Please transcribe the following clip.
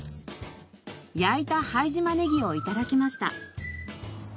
焼いた拝島ネギを頂きました。